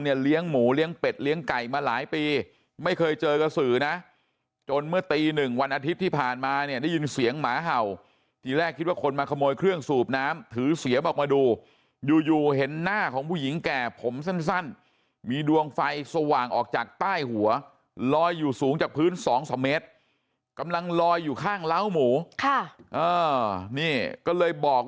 เลี้ยงหมูเลี้ยงเป็ดเลี้ยงไก่มาหลายปีไม่เคยเจอกระสือนะจนเมื่อตีหนึ่งวันอาทิตย์ที่ผ่านมาเนี่ยได้ยินเสียงหมาเห่าทีแรกคิดว่าคนมาขโมยเครื่องสูบน้ำถือเสียมออกมาดูอยู่อยู่เห็นหน้าของผู้หญิงแก่ผมสั้นมีดวงไฟสว่างออกจากใต้หัวลอยอยู่สูงจากพื้นสองสามเมตรกำลังลอยอยู่ข้างเล้าหมูค่ะนี่ก็เลยบอก